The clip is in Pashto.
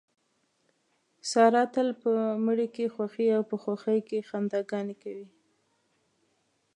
ساره تل په مړي کې خوښي او په خوښۍ کې خندا ګانې کوي.